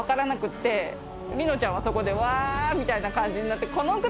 莉乃ちゃんはそこで「ワー！」みたいな感じになって「この靴！